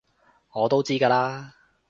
我都知㗎喇